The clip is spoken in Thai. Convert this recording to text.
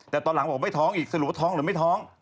แต่ตอนหลังบอกไม่ท้องอีกสรุปว่าท้องหรือไม่ท้อง